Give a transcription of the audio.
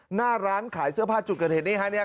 หน้าร้านขายเสื้อผ้าจุดเกิดเหตุนี่ฮะเนี่ย